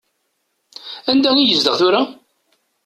Anda i yezdeɣ tura?